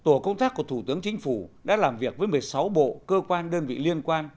tổ công tác của thủ tướng chính phủ đã làm việc với một mươi sáu bộ cơ quan đơn vị liên quan